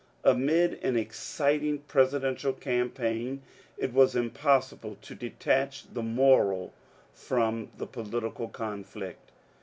Amid an exciting presiden tial campaign it was impossible to detach the moral from the political conflict.